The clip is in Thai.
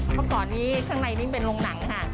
เมื่อก่อนนี้ข้างในนิดเป็นลงหนังค่ะ